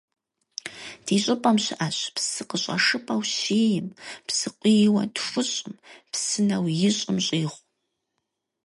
Ди щӀыпӀэм щыӀэщ псы къыщӀэшыпӀэу щиим, псыкъуийуэ тхущӀум, псынэу ищӀым щӀигъу.